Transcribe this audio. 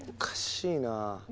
おっかしいなぁ。